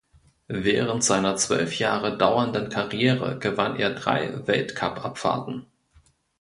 Während seiner zwölf Jahre dauernden Karriere gewann er drei Weltcupabfahrten.